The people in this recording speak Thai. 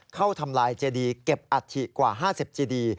เข้าทำลายเจฏรีเก็บอัตภิกเปีย์กว่า๕๐เจฏรี